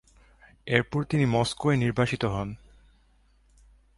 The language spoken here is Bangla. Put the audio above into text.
এরপর তিনি মস্কোয় নির্বাসিত হন।